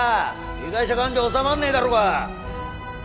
被害者感情おさまんねえだろうが！